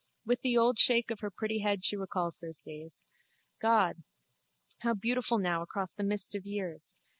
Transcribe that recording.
With the old shake of her pretty head she recalls those days. God! How beautiful now across the mist of years!